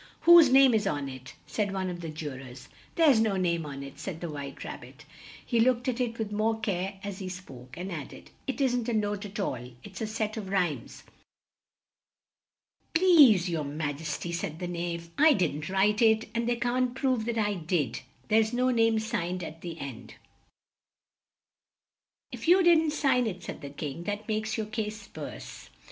"Whose name is on it?" said one of the ju rors. "There's no name on it," said the White Rab bit; he looked at it with more care as he spoke, and add ed, "it isn't a note at all; it's a set of rhymes." "Please your ma jes ty," said the Knave, "I didn't write it, and they can't prove that I did; there's no name signed at the end." "If you didn't sign it," said the King, "that makes your case worse.